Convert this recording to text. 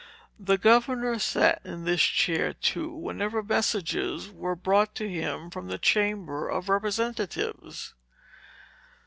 The governor sat in this chair, too, whenever messages were brought to him from the chamber of Representatives."